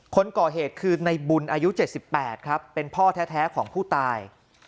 คนก่อเหตุคือในบุญอายุ๗๘ครับเป็นพ่อแท้ของผู้ตาย